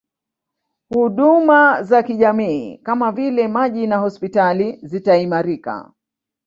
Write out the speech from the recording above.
Huduna za kijamii kama vile maji na hospitali zitaimarika